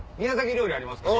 料理ありますから。